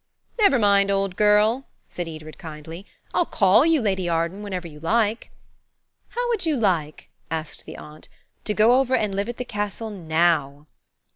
"Never mind, old girl," said Edred kindly. "I'll call you Lady Arden whenever you like." "How would you like," asked the aunt, "to go over and live at the castle now?"